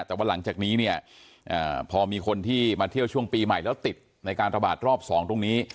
แต่ว่าหลังจากนี้เนี่ยพอมีคนที่มาเที่ยวช่วงปีใหม่แล้วติดในการระบาดรอบ๒ตรงนี้